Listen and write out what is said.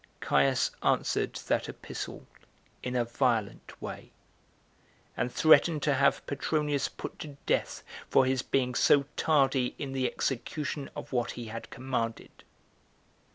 Caius answered that epistle in a violent way, and threatened to have Petronius put to death for his being so tardy in the execution of what he had commanded.